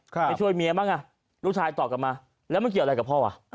ไปช่วยเมียบ้างอ่ะลูกชายตอบกลับมาแล้วมันเกี่ยวอะไรกับพ่อว่ะ